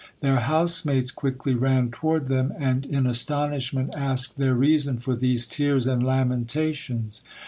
Their housemates quickly ran toward them and in astonishment asked their reason for these tears and lamentations.